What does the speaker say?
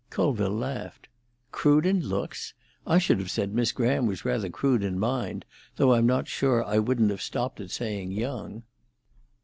Colville laughed. "Crude in looks? I should have said Miss Graham was rather crude in mind, though I'm not sure I wouldn't have stopped at saying young."